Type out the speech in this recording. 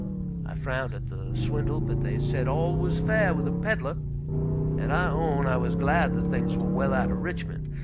I frowned at the swindle, but they said all was fair with a peddler, and I own I was glad the things were well out of Richmond.